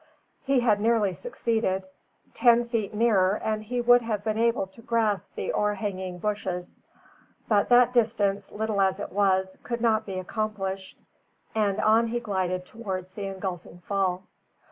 He had nearly succeeded. Ten feet nearer, and he would have been able to grasp the o'erhanging bushes. But that distance, little as it was, could not be accomplished, and on he glided towards the engulfing fall.